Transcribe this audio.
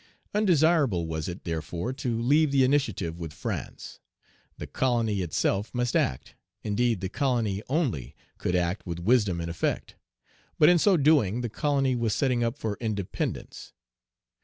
Undesirable was it, therefore, to leave the initiative with France. The colony itself must act. Indeed, the colony only could act with wisdom and effect. "But in so doing, the colony was setting up for independence."